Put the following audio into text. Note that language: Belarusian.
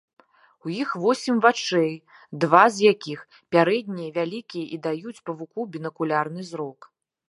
У іх восем вачэй, два з якіх, пярэднія, вялікія і даюць павуку бінакулярны зрок.